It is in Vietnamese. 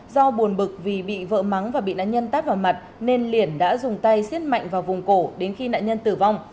do buồn bực vì bị vỡ mắng và bị nạn nhân tát vào mặt nên liển đã dùng tay xiết mạnh vào vùng cổ đến khi nạn nhân tử vong